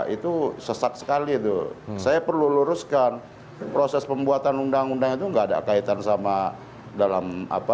itu sesak sekali itu saya perlu luruskan proses pembuatan undang undang itu enggak ada kaitan sama dalam apa